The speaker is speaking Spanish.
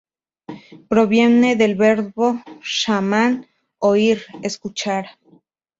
Proviene del verbo shaman, "oír, escuchar".